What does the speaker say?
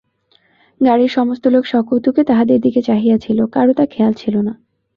গাড়ির সমস্ত লোক সকৌতুকে তাহাদের দিকে চাহিয়া ছিল, কারো তা খেয়াল ছিল না।